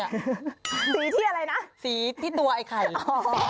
สีที่อะไรนะสีที่ตัวไอ้ไข่